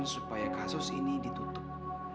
supaya kasus ini ditutup